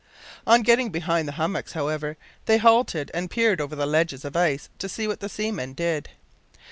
On getting behind the hummocks, however, they halted and peeped over the ledges of ice to see what the seamen did.